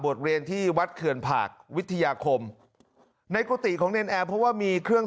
เรียนที่วัดเขื่อนผากวิทยาคมในกุฏิของเนรนแอร์เพราะว่ามีเครื่อง